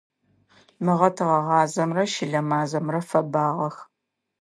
Мыгъэ тыгъэгъазэмрэ щылэ мазэмрэ фэбагъэх.